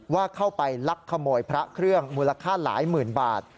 ว่าเข้าไปลักขโมยพระเครื่องมูลค่าหลายหมื่นบาท